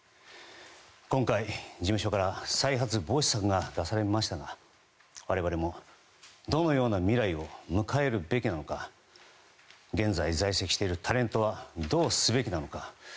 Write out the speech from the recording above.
今回、事務所から再発防止策が出されましたが我々もどのような未来を迎えるべきなのか現在、在籍しているタレントはどうすべきなのか。